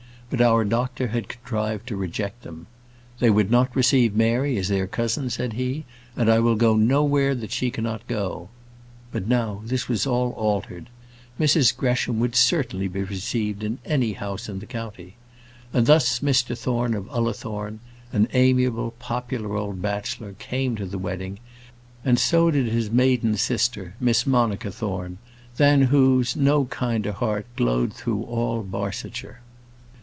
But our doctor had contrived to reject them. "They would not receive Mary as their cousin," said he, "and I will go nowhere that she cannot go." But now all this was altered. Mrs Gresham would certainly be received in any house in the county. And thus, Mr Thorne of Ullathorne, an amiable, popular old bachelor, came to the wedding; and so did his maiden sister, Miss Monica Thorne, than whose no kinder heart glowed through all Barsetshire.